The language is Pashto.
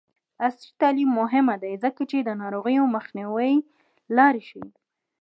عصري تعلیم مهم دی ځکه چې د ناروغیو مخنیوي لارې ښيي.